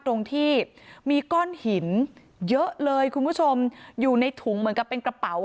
ตรงที่มีก้อนหินเยอะเลยคุณผู้ชมอยู่ในถุงเหมือนกับเป็นกระเป๋า